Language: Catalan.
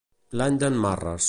L'any d'en Marres.